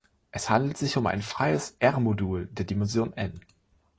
Es handelt sich um ein freies „R“-Modul der Dimension „n“.